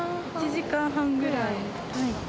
１時間半ぐらい。